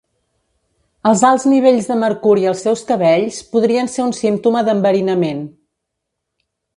Els alts nivells de mercuri als seus cabells podrien ser un símptoma d'enverinament.